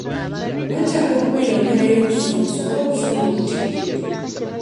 Weetaaga okweyongerayo okusoma osobole okufuna okutikkirwa.